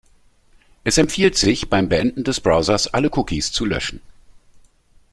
Es empfiehlt sich, beim Beenden des Browsers alle Cookies zu löschen.